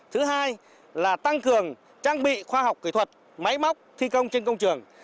thứ hai là tăng cường trang bị khoa học kỹ thuật máy móc thi công trên công trường